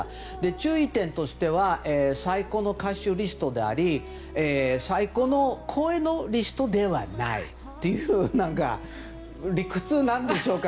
注意点としては最高の歌手リストであり最高の声のリストではないという理屈なんでしょうか。